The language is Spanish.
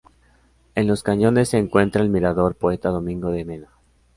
En Los Cañones se encuentra el Mirador Poeta Domingo de Mena.